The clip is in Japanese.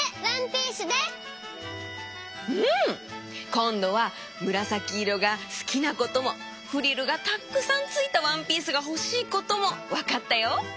こんどはむらさきいろがすきなこともフリルがたっくさんついたワンピースがほしいこともわかったよ。